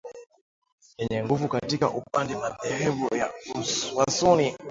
yenye nguvu katika upande madhehebu ya wasunni